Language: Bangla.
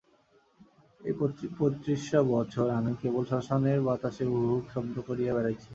এই পঁয়ত্রিশটা বৎসর আমি কেবল শ্মশানের বাতাসে হুহু শব্দ করিয়া বেড়াইয়াছি।